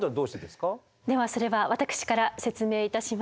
ではそれは私から説明いたします。